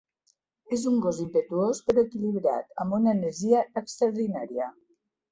És un gos impetuós però equilibrat, amb una energia extraordinària.